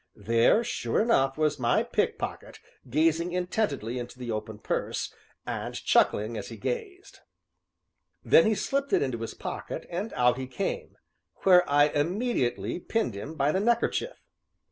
There, sure enough, was my pickpocket gazing intently into the open purse, and chuckling as he gazed. Then he slipped it into his pocket, and out he came where I immediately pinned him by the neckerchief.